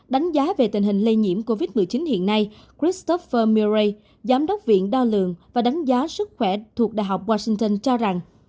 đánh giá về tình hình lây nhiễm covid một mươi chín hiện nay christopher murray giám đốc viện đo lường và đánh giá sức khỏe thuộc đại học washington cho rằng